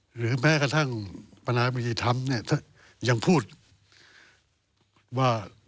หรือแม้กระทั่งประนายบุญธรรมยังพูดว่า